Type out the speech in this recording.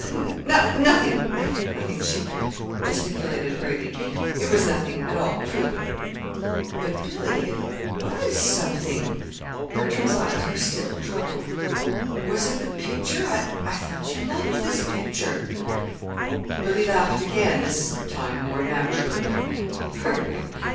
"N nothing," she gesticulated hurriedly. "It was nothing at all, truly." "But, Billy, it was something." Bertram's eyes were still troubled. "Was it the picture? I thought you liked this picture." Billy laughed again this time more naturally.